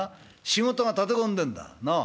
仕事が立て込んでんだなあ。